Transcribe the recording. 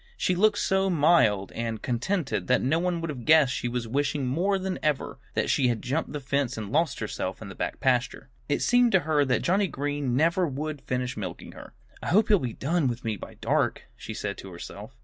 She looked so mild and contented that no one would have guessed she was wishing more than ever that she had jumped the fence and lost herself in the back pasture. It seemed to her that Johnnie Green never would finish milking her. "I hope he'll be done with me by dark," she said to herself.